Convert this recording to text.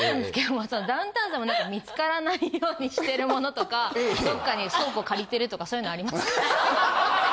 ダウンタウンさんも何か見つからないようにしてるものとかどっかに倉庫借りてるとかそういうのありますか？